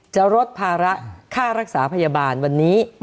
จะลดภาระค่ารักษาพยาบาลวันนี้